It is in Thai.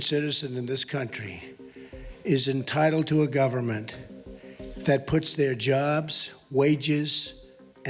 ขอขอบคุณที่จะทิ้งหัวหน้าความภัยของเจ้า